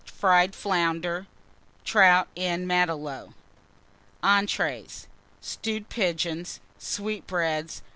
Fried Flounders. Trout en Matelot. ENTREES. Stewed Pigeons. Sweetbreads.